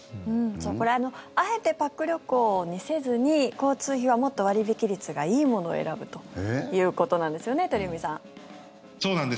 これはあえてパック旅行にせずに交通費はもっと割引率がいいものを選ぶということなんですよね鳥海さん。